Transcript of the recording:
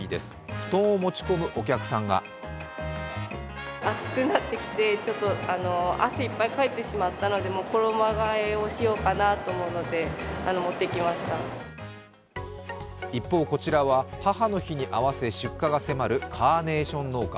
布団を持ち込むお客さんが一方、こちらは母の日に合わせ出荷が迫るカーネーション農家。